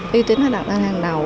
uy tín nó đặt ra hàng đầu